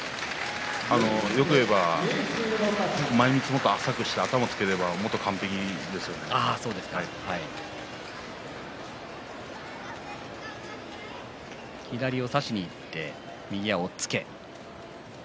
欲を言えば前みつをもっと浅くして頭をつければ左を差しにいって右の押っつけ。